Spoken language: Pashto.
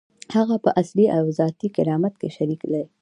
هغه په اصلي او ذاتي کرامت کې شریک دی.